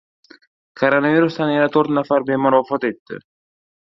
Koronavirusdan yana to‘rt nafar bemor vafot etdi